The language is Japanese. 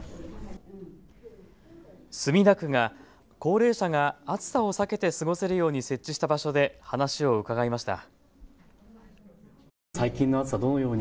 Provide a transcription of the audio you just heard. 墨田区が高齢者が暑さを避けて過ごせるように設置した場所で話を伺いました。